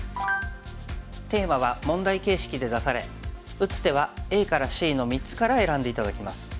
テーマは問題形式で出され打つ手はＡからＣの３つから選んで頂きます。